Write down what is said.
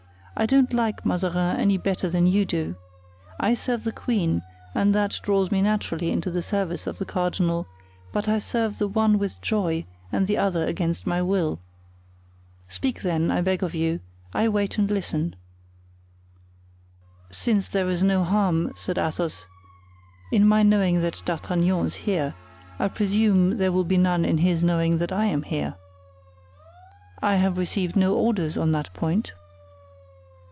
I don't like Mazarin any better than you do. I serve the queen and that draws me naturally into the service of the cardinal; but I serve the one with joy and the other against my will. Speak, then, I beg of you; I wait and listen." "Since there is no harm," said Athos, "in my knowing that D'Artagnan is here, I presume there will be none in his knowing that I am here." "I have received no orders on that point."